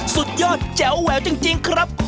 สุดยอดแจ๋วแววจริง